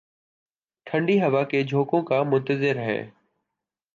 ٹھنڈی ہوا کے جھونکوں کا منتظر ہے